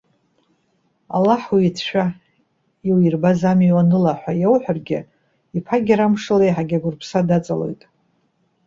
Аллаҳ уицәшәа, иуирбаз амҩа уаныла!- ҳәа иауҳәаргьы, иԥагьара амшала еиҳагьы агәырԥса даҵалоит.